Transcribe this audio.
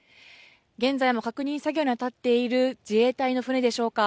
現在も確認作業に当たっている自衛隊の船でしょうか。